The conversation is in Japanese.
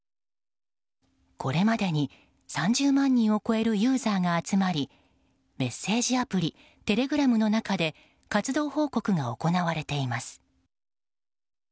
これまでに３０万人を超えるユーザーが集まりメッセージアプリテレグラムの中で活動報告が行われています。